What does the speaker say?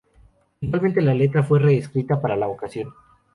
Igualmente, la letra fue re-escrita para la ocasión.